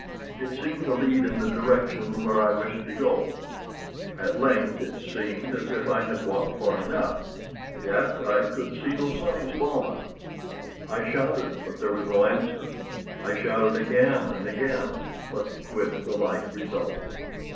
It seemed to lead in the direction where I wished to go. At length it seemed as if I had walked far enough, yet I could see no signs of Almah. I shouted, but there was no answer. I shouted again and again, but with the like result.